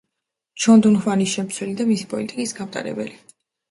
ჩონ დუ ჰვანის შემცვლელი და მისი პოლიტიკის გამტარებელი.